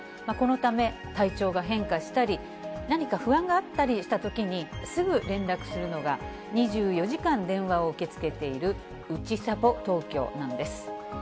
このため、体調が変化したり、何か不安があったりしたときに、すぐ連絡するのが、２４時間電話を受け付けているうちさぽ東京なんです。